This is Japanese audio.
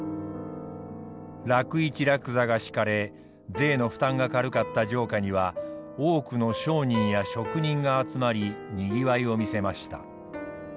楽市楽座が敷かれ税の負担が軽かった城下には多くの商人や職人が集まりにぎわいを見せました。